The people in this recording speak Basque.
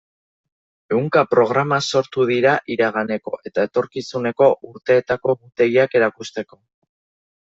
Ehunka programa sortu dira iraganeko eta etorkizuneko urteetako egutegiak erakusteko.